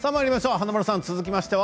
華丸さん続きましては。